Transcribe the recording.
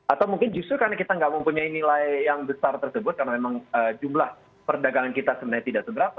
atau mungkin justru karena kita nggak mempunyai nilai yang besar tersebut karena memang jumlah perdagangan kita sebenarnya tidak seberapa